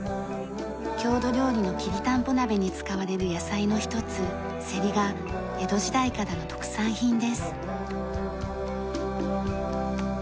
郷土料理のきりたんぽ鍋に使われる野菜の一つセリが江戸時代からの特産品です。